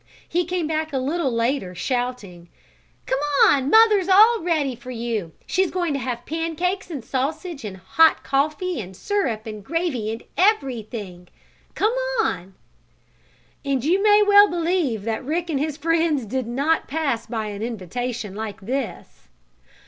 He came back a little later shouting: "Come on! Mother's all ready for you! She's going to have pancakes and sausage and hot coffee and syrup and gravy and everything! Come on!" And you may well believe that Rick and his friends did not pass by an invitation like this.